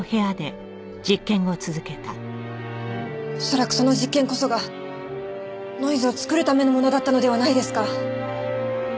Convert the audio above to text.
恐らくその実験こそがノイズを作るためのものだったのではないですか？